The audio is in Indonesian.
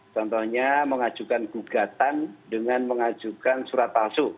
contohnya mengajukan gugatan dengan mengajukan surat palsu